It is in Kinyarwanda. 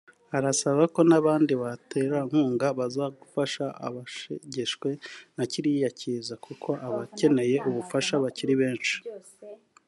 Arasaba ko n’abandi baterankunga baza gufasha abashegeshwe na kiriya kiza kuko abakeneye ubufasha bakiri benshi